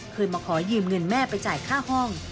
เคยมาขอยืมเงินแม่ไปจ่ายค่าห้อง